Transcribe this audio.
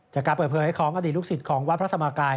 จากการเปิดเผยของอดีตลูกศิษย์ของวัดพระธรรมกาย